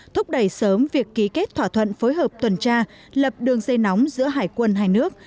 thúc đẩy sớm việc ký kết thỏa thuận phối hợp tuần tra lập đường dây nóng giữa hải quân hai nước